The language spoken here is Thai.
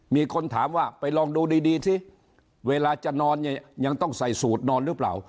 มีคนถามว่าไปลองดูดีสิเวลาจะนอนเนี่ยยังต้องใส่สูตรนอนหรือเปล่า